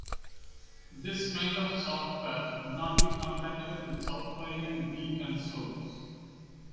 This kind of software would not be compatible with South Korean Wii consoles.